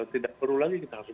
tidak perlu lagi kita harus